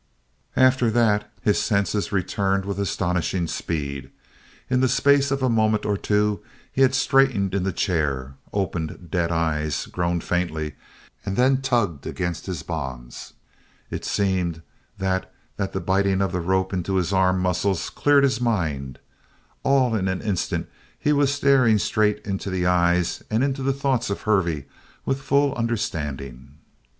After that his senses returned with astonishing speed. In the space of a moment or two he had straightened in the chair, opened dead eyes, groaned faintly, and then tugged against his bonds. It seemed that that biting of the rope into his arm muscles cleared his mind. All in an instant he was staring straight into the eyes and into the thoughts of Hervey with full understanding.